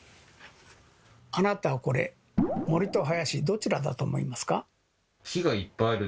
あなたはこれ森と林どちらだと思いますか？